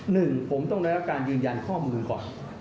หนึ่งผมต้องได้รับการยืนยันข้อมือก่อน